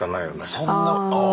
そんなああ。